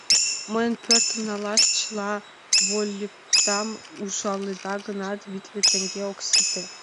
Мыйын пӧртым налаш чыла вольыкдам ужаледа гынат, витле теҥге ок сите.